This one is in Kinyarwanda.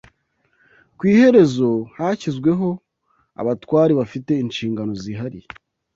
Ku iherezo hashyizweho abatware bafite inshingano zihariye